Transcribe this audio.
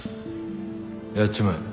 やっちまえ。